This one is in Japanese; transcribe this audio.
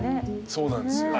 そうなんですよ。